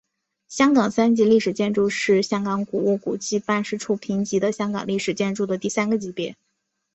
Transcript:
香港三级历史建筑是香港古物古迹办事处评级的香港历史建筑的第三个级别。